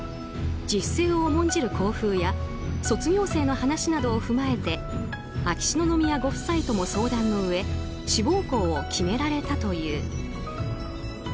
自主性を重んじる校風や卒業生の話などを踏まえて秋篠宮ご夫妻とも相談のうえ志望校を決められたという。